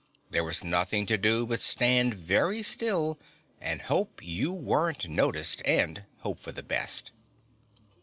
There was nothing to do but stand very still, and hope you weren't noticed, and hope for the best.